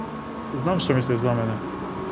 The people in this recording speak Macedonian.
Знам што мислиш за мене.